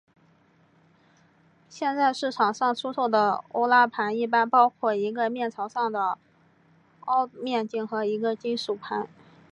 现在市场上出售的欧拉盘一般包括一个面朝上的凹面镜和一个金属盘。